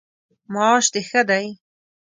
معاش د ښه دی؟